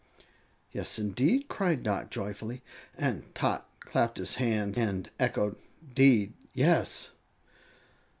"Yes, indeed!" cried Dot, joyfully; and Tot clapped his hands and echoed: "'Deed, yes!"